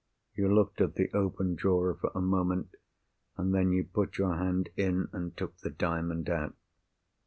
You looked at the open drawer for a moment. And then you put your hand in, and took the Diamond out."